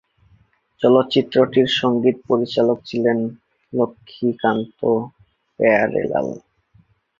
চলচ্চিত্রটির সঙ্গীত পরিচালক ছিলেন লক্ষ্মীকান্ত-প্যায়ারেলাল।